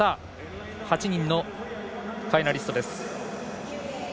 ８人のファイナリストです。